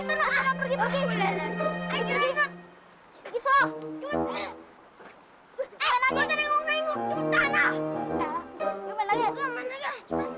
kamu mau semangat kamu meracukan aja ini kembali gunungnya kamu pergi